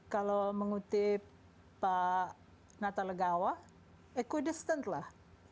kalau mengutip pak natalegawa equidistant lah